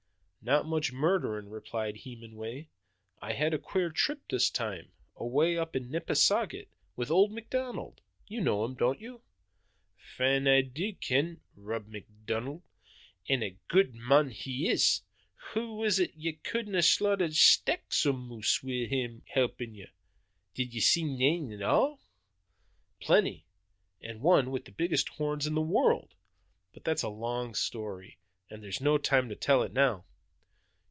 "Not much murdering," replied Hemenway. "I had a queer trip this time away up the Nepisiguit, with old McDonald. You know him, don't you?" "Fine do I ken Rob McDonald, an' a guid mon he is. Hoo was it that ye couldna slaughter stacks o' moose wi' him to help ye? Did ye see nane at all?" "Plenty, and one with the biggest horns in the world! But that's a long story, and there's no time to tell it now."